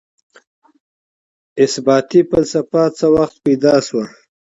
اثباتي فلسفه څه وخت پيدا سوه؟